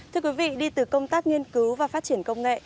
thưa quý vị đi từ công tác nghiên cứu và phát triển công nghệ